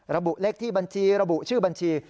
ระบุเลขที่บัญชีระบุชื่อบัญชี